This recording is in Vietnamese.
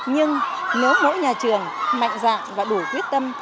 nhưng nếu mỗi nhà trường mạnh dạng và đủ quyết tâm